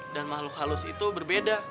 dan makhluk halus itu berbeda